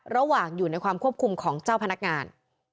ระหว่างอยู่ในความควบคุมของเจ้าพนักงาน